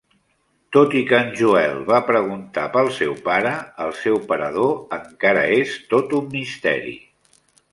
Tot i que en Joel va preguntar pel seu pare, el seu parador encara és tot un misteri.